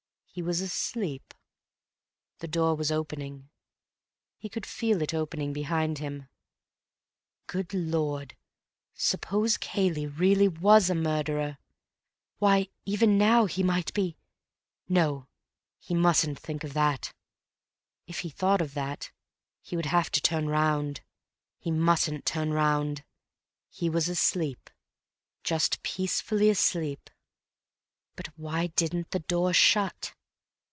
He was asleep.... The door was opening. He could feel it opening behind him.... Good Lord, suppose Cayley really was a murderer! Why, even now he might be—no, he mustn't think of that. If he thought of that, he would have to turn round. He mustn't turn round. He was asleep; just peacefully asleep. But why didn't the door shut?